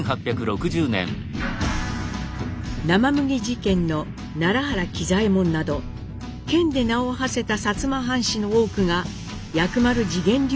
生麦事件の奈良原喜左衛門など剣で名をはせた薩摩藩士の多くが薬丸自顕流を修めていました。